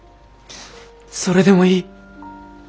それでもいい。